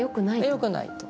よくないと。